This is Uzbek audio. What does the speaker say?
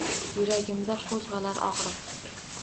Yuragimda qo’zg’olar og’riq